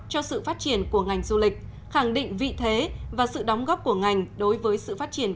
cho sự phát triển của ngành du lịch khẳng định vị thế và sự đóng góp của ngành đối với sự phát triển